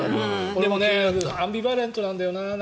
でもアンビバレントなんだよな。